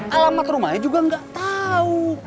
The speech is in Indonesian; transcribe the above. alamat rumahnya juga gak tau